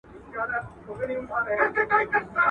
وايي عقل دي د چا څخه زده کړی، وايي د بې عقله.